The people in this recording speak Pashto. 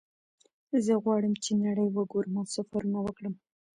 زه غواړم چې نړۍ وګورم او سفرونه وکړم